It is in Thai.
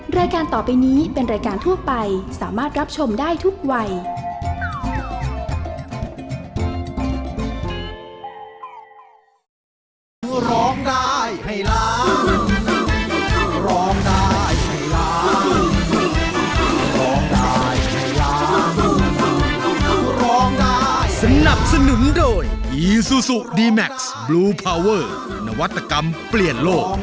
รายการต่อไปนี้เป็นรายการทั่วไปสามารถรับชมได้ทุกวัย